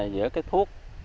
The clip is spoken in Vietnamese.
giữa cái thuốc